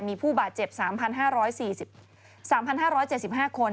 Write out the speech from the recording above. มีผู้บาดเจ็บ๓๕๓๕๗๕คน